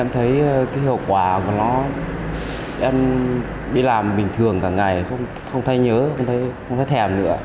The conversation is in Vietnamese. em thấy cái hiệu quả của nó em đi làm bình thường cả ngày không thấy nhớ không thấy thèm nữa